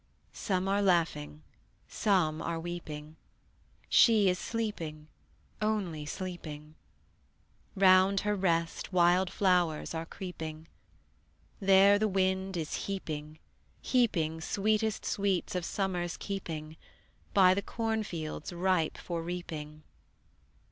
Some are laughing, some are weeping; She is sleeping, only sleeping. Round her rest wild flowers are creeping; There the wind is heaping, heaping Sweetest sweets of Summer's keeping, By the cornfields ripe for reaping.